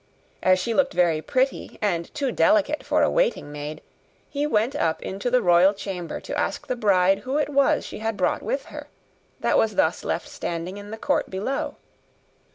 As she looked very pretty, and too delicate for a waiting maid, he went up into the royal chamber to ask the bride who it was she had brought with her, that was thus left standing in the court below.